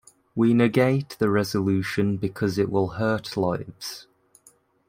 We negate the resolution because it will hurt lives